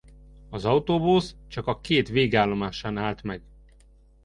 Az autóbusz csak a két végállomásán állt meg.